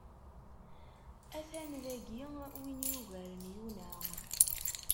A-t-an dagi win yugaren Yuna.